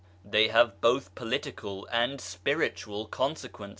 They have both political and spiritual Consequences.